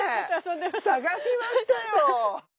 捜しましたよ。